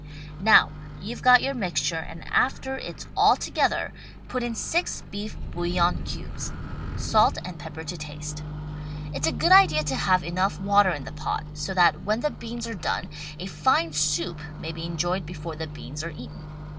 Now you've got your mixture and after it's all together THE STAG COOK BOOK put in six beef bouillon cubes; salt and pepper to taste. It's a good idea to have enough water in the pot so that when the beans are done a fine soup may be enjoyed before the beans are eaten.